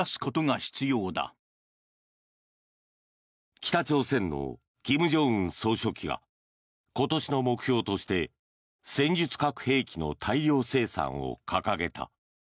北朝鮮の金正恩総書記が今年の目標として戦術核兵器の大量生産を掲げた。